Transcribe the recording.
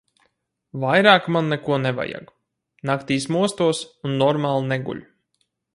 Vairāk man neko nevajag. Naktīs mostos un normāli neguļu.